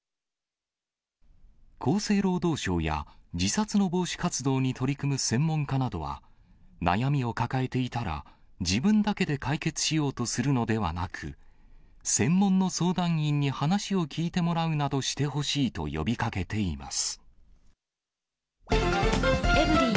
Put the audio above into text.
厚生労働省や自殺の防止活動に取り組む専門家などは、悩みを抱えていたら、自分だけで解決しようとするのではなく、専門の相談員に話を聞いてもらうなどしてほしいと呼びかけています。